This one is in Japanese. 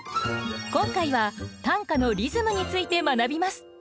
今回は短歌のリズムについて学びます。